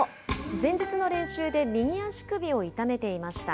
前日の練習で右足首を痛めていました。